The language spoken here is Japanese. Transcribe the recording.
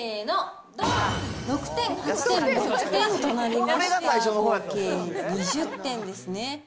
６点、８点、６点となりまして、合計２０点ですね。